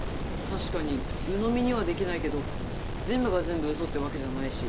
確かにうのみにはできないけど全部が全部うそってわけじゃないし。